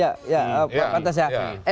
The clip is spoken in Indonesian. ya pak pantas ya